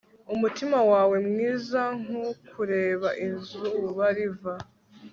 umutima wawe mwiza nkukureba izuba riva